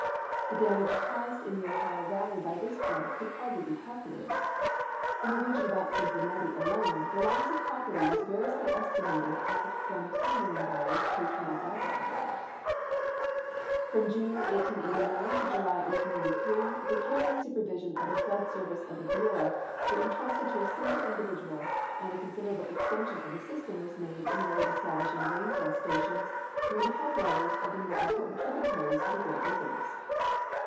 The dainage caused in the Ohio valley this flood could hardly be calculated. In the region about Cincinnati alone the loss of property was variously estimated at from 810,000,000 to 825,000,000. From June, 1889, to July, 1893, the care and supervision of the flood service of the Bureau were entrusted to a single indi vidual, and a considerable extension of the system was made in the way of establishing rainfall stations near the headwaters of the more important tributaries of the great rivers.